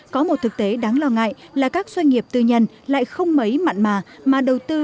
có một thực tế đáng lo ngại là các doanh nghiệp tư nhân lại không mấy mặn mà